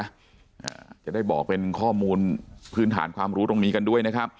อ่าจะได้บอกเป็นข้อมูลพื้นฐานความรู้ตรงนี้กันด้วยนะครับ